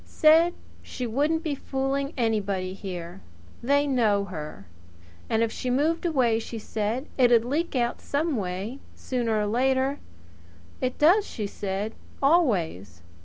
Said she wouldn't be fooling anybody here. They know her. And if she moved away, she said, it'd leak out some way sooner or later. It does, she said. Always!